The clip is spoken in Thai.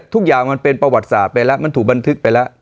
ทุกอย่างมันเป็นประวัติศาสตร์ไปแล้วมันถูกบันทึกไปแล้ว